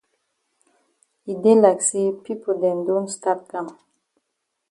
E dey like say pipo dem don stat kam.